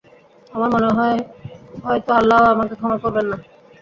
আমার মনে হয়, হয় তো আল্লাহ আমাকে ক্ষমা করবেন না।